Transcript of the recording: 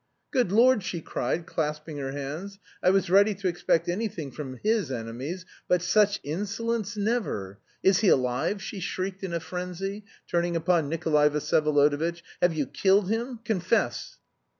"Good Lord!" she cried, clasping her hands. "I was ready to expect anything from his enemies, but such insolence, never! Is he alive?" she shrieked in a frenzy, turning upon Nikolay Vsyevolodovitch. "Have you killed him? Confess!"